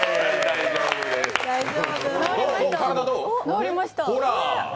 治りました。